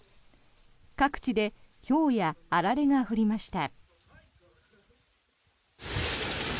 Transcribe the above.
各地でひょうやあられが降りました。